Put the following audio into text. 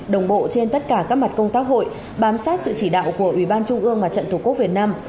đồng bộ trên tất cả các mặt công tác hội bám sát sự chỉ đạo của ubnd và trận thủ quốc việt nam